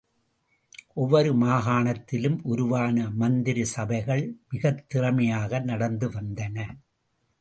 ஒவ்வொரு மாகாணத்திலும் உருவான மந்திரி சபைகள் மிகத் திறமையாக நடந்து வந்தன.